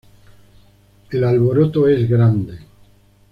El alboroto es grande.